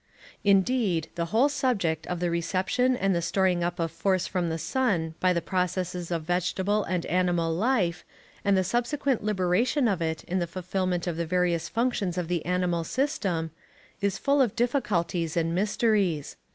Indeed, the whole subject of the reception and the storing up of force from the sun by the processes of vegetable and animal life, and the subsequent liberation of it in the fulfillment of the various functions of the animal system, is full of difficulties and mysteries.